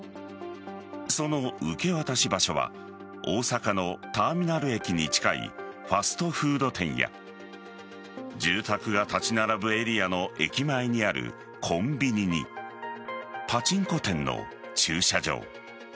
その受け渡し場所は大阪のターミナル駅に近いファストフード店や住宅が立ち並ぶエリアの駅前にあるコンビニにパチンコ店の駐車場。